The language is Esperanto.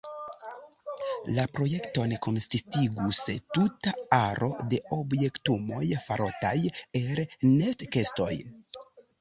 La projekton konsistigus tuta aro de objektumoj farotaj el nestkestoj.